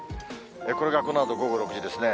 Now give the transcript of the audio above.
これがこのあと午後６時ですね。